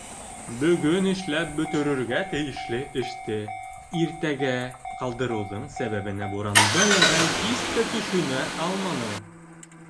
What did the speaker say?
Бөгөн эшләп бөтөрөргә тейешле эште иртәгә ҡалдырыуҙың сәбәбенә Буранбай ағай һис тә төшөнә алманы.